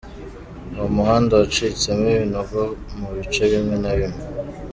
Uwo muhanda wacitsemo ibinogo mu bice bimwe na bimwe.